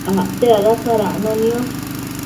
acte dada sadacno niosh